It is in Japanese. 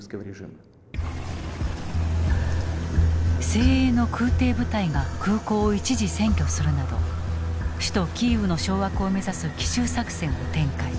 精鋭の空挺部隊が空港を一時占拠するなど首都キーウの掌握を目指す奇襲作戦を展開。